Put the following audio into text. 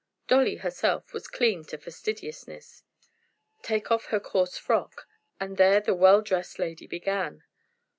Dolly herself was clean to fastidiousness. Take off her coarse frock, and there the well dressed lady began.